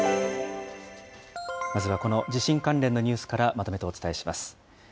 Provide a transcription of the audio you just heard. まずはこの地震関連のニュースからまとめてお伝えします。